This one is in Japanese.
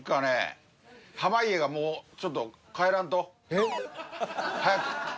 えっ？早く。